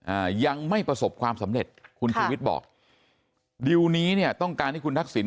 อ่ายังไม่ประสบความสำเร็จคุณชูวิทย์บอกดิวนี้เนี่ยต้องการให้คุณทักษิณ